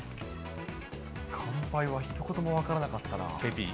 乾杯はひと言も分からなかっＫＰ？